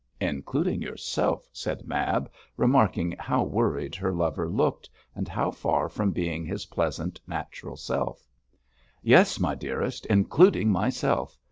'Including yourself,' said Mab, remarking how worried her lover looked, and how far from being his pleasant, natural self. 'Yes, my dearest, including myself.